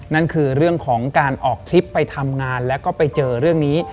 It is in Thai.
นั่นคือเรื่องของการออกทริปไปทำงานแล้วก็ไปเจอเรื่องนี้